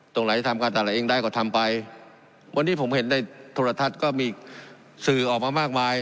ตรงไหนจะทำการตลาดเองได้ก็ทำไปวันนี้ผมเห็นในโทรทัศน์ก็มีสื่อออกมามากมาย